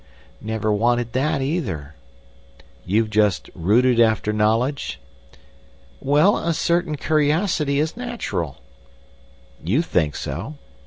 "Never wanted that either." "You've just rooted after knowledge?" "Well, a certain curiosity is natural—" "You think so.